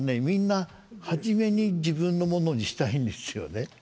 みんな初めに自分のものにしたいんですよね。